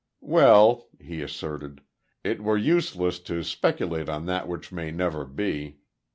"Well," he asserted, "it were useless to speculate on that which may never be.